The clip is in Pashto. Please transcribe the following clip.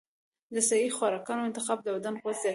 د صحي خوراکونو انتخاب د بدن قوت زیاتوي.